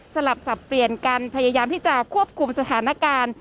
สลับสับเปลี่ยนกันพยายามที่จะควบคุมสถานการณ์